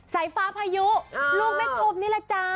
สายฟ้าพายุลูกแม่ชุมนี่แหละจ๊ะ